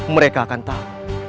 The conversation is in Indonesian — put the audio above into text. mereka akan tahu